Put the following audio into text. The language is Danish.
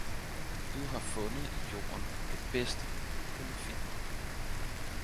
Du har fundet i jorden det bedste, du kunne finde